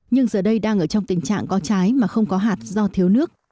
nhưng giờ đây đang ở trong tình trạng có trái mà không có hạt do thiếu nước